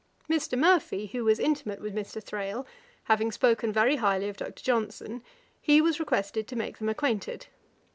Mr. Murphy, who was intimate with Mr. Thrale, having spoken very highly of Dr. Johnson, he was requested to make them acquainted.